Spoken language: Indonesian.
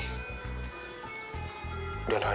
bisa dapat gaji